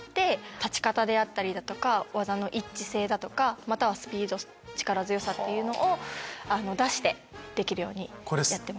立ち方であったりだとか技の一致性だとかまたはスピード力強さっていうのを出してできるようにやってます。